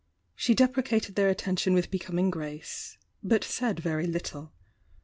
She depre cated their attention with becoming grace — but said very little.